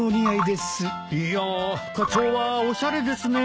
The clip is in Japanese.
いや課長はおしゃれですね。